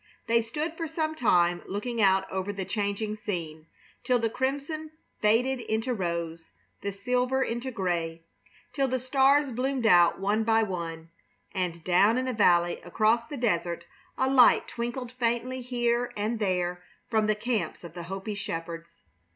They stood for some time looking out over the changing scene, till the crimson faded into rose, the silver into gray; till the stars bloomed out one by one, and down in the valley across the desert a light twinkled faintly here and there from the camps of the Hopi shepherds.